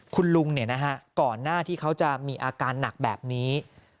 คุณลุงก่อนหน้าที่เขาจะมีอาการหนักแบบนี้